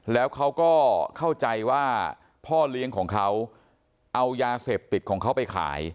แล้วเขาก็เข้าใจว่าพ่อเลี้ยงของเขาเอายาเสพติดของเขาไปขาย